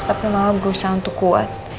tapi malah berusaha untuk kuat